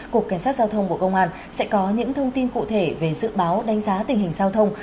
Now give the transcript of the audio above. cục cảnh sát giao thông bộ công an sẽ có những thông tin cụ thể về dự báo đánh giá tình hình giao thông